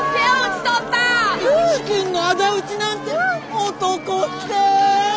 主君の仇討ちなんて男って。